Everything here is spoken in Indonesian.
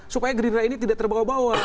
supaya gerindra ini tidak terbawa bawa